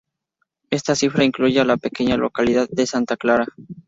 Esta cifra incluye a la pequeña localidad de Santa Clara.